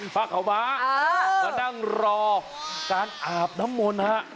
ผ้าขาวม้ามานั่งรอการอาบน้ำมนต์ฮะ